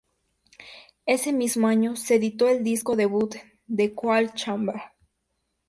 Ese mismo año, se editó el disco debut de Coal Chamber.